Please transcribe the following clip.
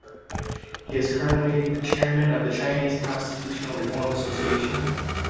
He is currently the chairman of the Chinese Constitutional Reform Association.